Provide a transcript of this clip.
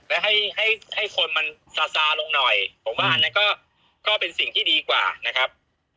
และให้ให้คนมันซาซาลงหน่อยผมว่าอันนั้นก็เป็นสิ่งที่ดีกว่านะครับ